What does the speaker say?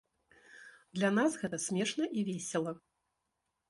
Для нас гэта смешна і весела.